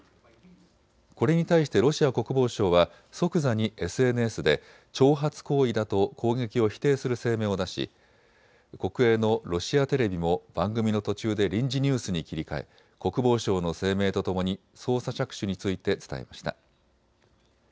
これに対してロシア国防省は即座にＳＮＳで挑発行為だと攻撃を否定する声明を出し国営のロシアテレビも番組の途中で臨時ニュースに切り替え、国防省の声明とともに捜査着手について伝えました。